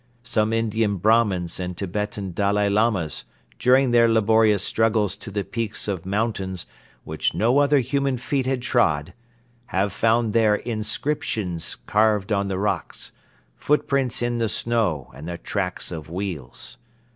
Some Indian Brahmans and Tibetan Dalai Lamas during their laborious struggles to the peaks of mountains which no other human feet had trod have found there inscriptions carved on the rocks, footprints in the snow and the tracks of wheels.